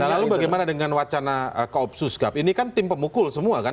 nah lalu bagaimana dengan wacana koopsus gap ini kan tim pemukul semua kan